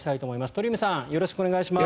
鳥海さんよろしくお願いします。